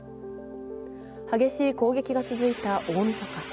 激しい攻撃が続いた大みそか。